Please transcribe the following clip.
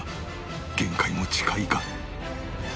限界も近いか？